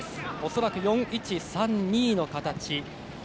恐らく４−１−３−２の形。